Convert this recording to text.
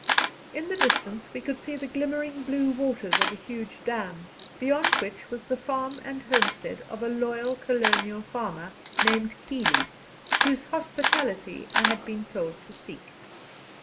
In the distance we could see the glimmering blue waters of a huge dam, beyond which was the farm and homestead of a loyal colonial farmer named Keeley, whose hospitality I had been told to seek.